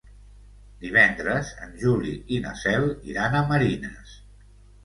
Divendres en Juli i na Cel iran a Marines.